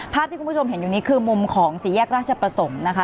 ภาพที่คุณผู้ชมเห็นอยู่นี้คือมุมของสี่แยกราชประสงค์นะคะ